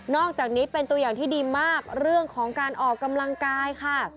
อกจากนี้เป็นตัวอย่างที่ดีมากเรื่องของการออกกำลังกายค่ะ